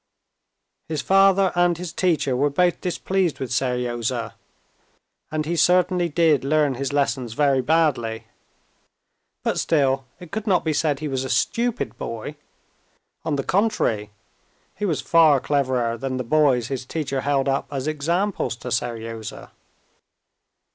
His father and his teacher were both displeased with Seryozha, and he certainly did learn his lessons very badly. But still it could not be said he was a stupid boy. On the contrary, he was far cleverer than the boys his teacher held up as examples to Seryozha.